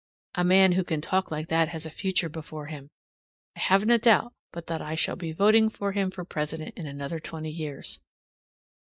A man who can talk like that has a future before him. I haven't a doubt but that I shall be voting for him for President in another twenty years.